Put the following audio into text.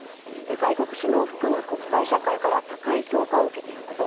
外国首脳を含む国際社会から高い評価を受けていること。